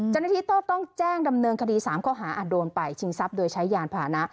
เจ้าหน้าที่ต้องแจ้งดำเนินคดี๓ข้อหาอาจโดนไปชิงทรัพย์โดยใช้ยานพานะ